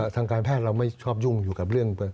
ทางการแพทย์เราไม่ชอบยุ่งอยู่กับเรื่อง